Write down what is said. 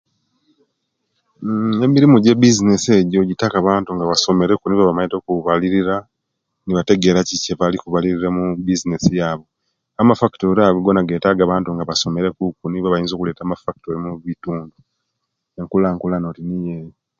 Nnn emirimu je bizinesi ejo gitaka bantu nga basomere ku nibo abamaite okubalirira okutegera kiki ekibali kubalirira mu bizinesi yabu amafactory ago gona getaga bantu nga basomere ku nibo abayinza okuleta amafactory mukitundu enkulakulana oti niyo eyo